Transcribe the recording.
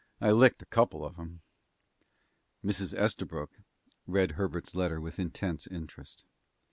I licked a couple of 'em." Mrs. Estabrook read Herbert's letter with intense interest.